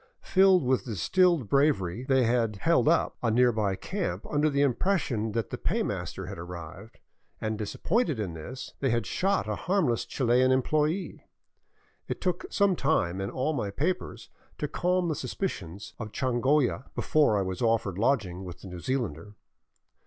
Filled with distilled bravery, they had " held up " a nearby camp under the impression that the pay master had arrived, and disappointed in this, they had shot a harmless Chilian employee. It took some time and all my papers to calm the suspicions of Changolla before I was offered lodging with the New Zealander.